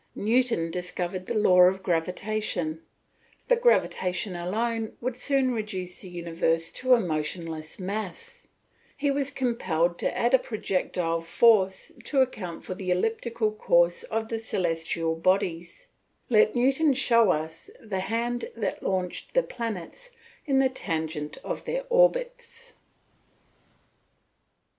Newton discovered the law of gravitation; but gravitation alone would soon reduce the universe to a motionless mass; he was compelled to add a projectile force to account for the elliptical course of the celestial bodies; let Newton show us the hand that launched the planets in the tangent of their orbits.